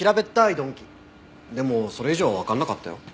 でもそれ以上はわからなかったよ。